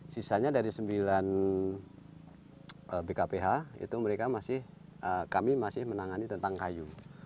sisanya dari sembilan bkph itu mereka masih kami masih menangani tentang kayu